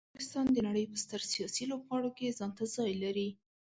پاکستان د نړۍ په ستر سیاسي لوبغاړو کې ځانته ځای لري.